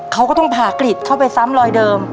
เขาก็ต้องผ่ากริจเข้าไปซ้ำรอยเดิม